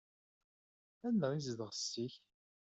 Anda i tezdeɣ setti-k?